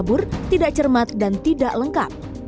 kabur tidak cermat dan tidak lengkap